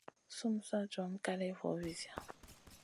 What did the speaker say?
Sumu sa john kaléya vo vizia.